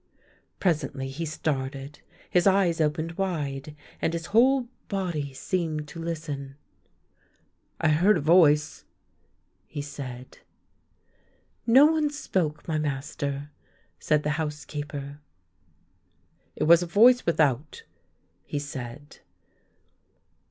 Presently he started, his eyes opened wide, and his whole body seemed to listen. " I heard a voice," he said. " No one spoke, my master," said the housekeeper. " It was a voice without," he said.